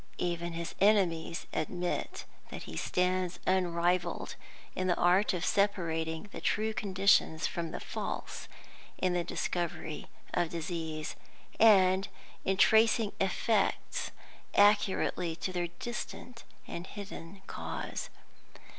Even his enemies admit that he stands unrivaled in the art of separating the true conditions from the false in the discovery of disease, and in tracing effects accurately to their distant and hidden cause.